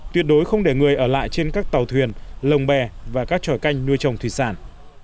tuyệt đối không để người ở lại trên các tàu thuyền lồng bè và các trò canh nuôi trồng thủy sản